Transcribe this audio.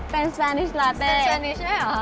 เป็นสเปนาอจ์ลาตเต้เป็นสเปนาอจ์แหมนใช่เหรอ